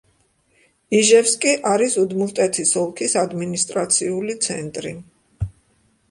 იჟევსკი არის უდმურტეთის ოლქის ადმინისტრაციული ცენტრი.